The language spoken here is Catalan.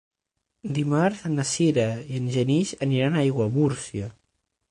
Dimarts na Sira i en Genís aniran a Aiguamúrcia.